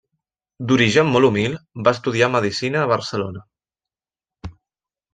D'origen molt humil, va estudiar Medicina a Barcelona.